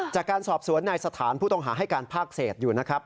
จากการสอบสวนนายสถานผู้ต้องหาให้การภาคเศษอยู่นะครับ